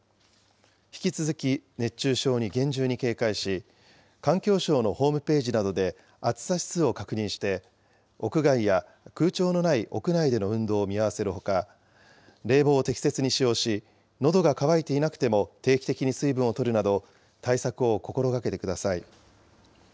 引き続き熱中症に厳重に警戒し、環境省のホームページなどで暑さ指数を確認して、屋外や空調のない屋内での運動を見合わせるほか、冷房を適切に使用し、のどが渇いていなくても、定期的に水分をとるなど対策を心がけてください。